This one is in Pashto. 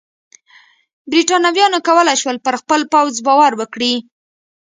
برېټانویانو کولای شول پر خپل پوځ باور وکړي.